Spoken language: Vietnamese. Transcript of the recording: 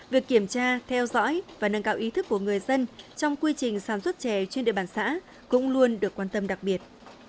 việc kiểm tra theo dõi và nâng cao ý thức của người dân trong quy trình sản xuất chè trên địa bàn xã cũng luôn được quan tâm đặc biệt